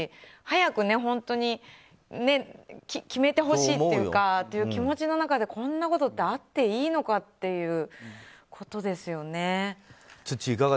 早く本当に決めてほしいという気持ちの中でこんなことってあっていいのかっていうことですよね。